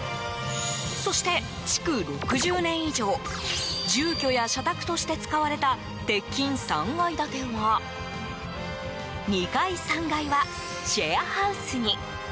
そして、築６０年以上住居や社宅として使われた鉄筋３階建ては２階、３階はシェアハウスに。